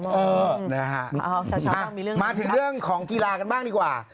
เออนะฮะมาถึงเรื่องของกีฬากันบ้างดีกว่า